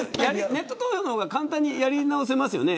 ネット投票の方が簡単にやり直せますよね。